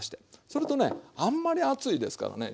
それとねあんまり熱いですからね